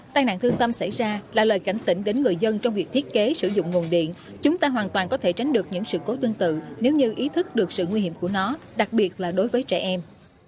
tai nạn thương tâm xảy ra là lời cảnh tỉnh đến người dân trong việc thiết kế sử dụng nguồn điện chúng ta hoàn toàn có thể tránh được những sự cố tương tự nếu như ý thức được sự nguy hiểm của nó đặc biệt là đối với trẻ em